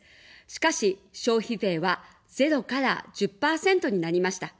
しかし、消費税は０から１０％になりました。